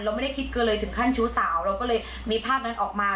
ไม่ได้คิดเกินเลยถึงขั้นชู้สาวเราก็เลยมีภาพนั้นออกมา